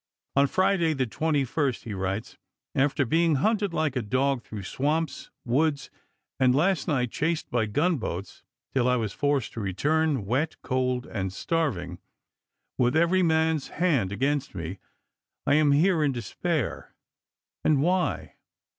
On Friday, the 21st, he writes :" After being hunted like a dog through swamps, woods, and last night chased by gunboats till I was forced to return, wet, cold, and starving, with every man's hand against me, I am here in despair. And why